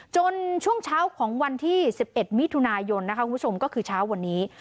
ช่วงเช้าของวันที่๑๑มิถุนายนนะคะคุณผู้ชมก็คือเช้าวันนี้